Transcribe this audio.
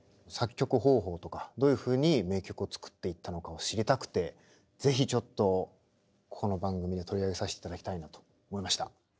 作曲方法とかどういうふうに名曲を作っていったのかを知りたくて是非ちょっとこの番組で取り上げさせていただきたいなと思いました。